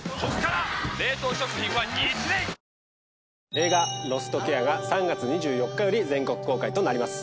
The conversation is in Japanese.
映画『ロストケア』が３月２４日より全国公開となります。